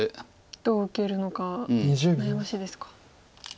どう受けるのか悩ましいですか。